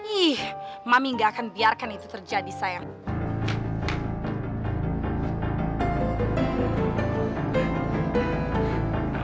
ih mami gak akan biarkan itu terjadi sayang